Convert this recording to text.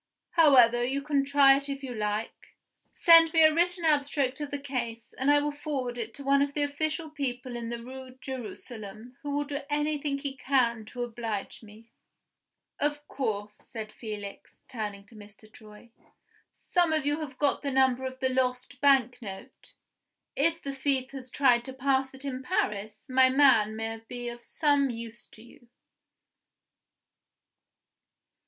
However, you can try it if you like. Send me a written abstract of the case, and I will forward it to one of the official people in the Rue Jerusalem, who will do anything he can to oblige me. Of course," said Felix, turning to Mr. Troy, "some of you have got the number of the lost bank note? If the thief has tried to pass it in Paris, my man may be of some use to you."